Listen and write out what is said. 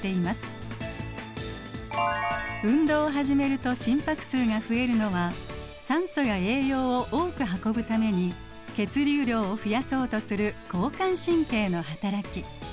運動を始めると心拍数が増えるのは酸素や栄養を多く運ぶために血流量を増やそうとする交感神経のはたらき。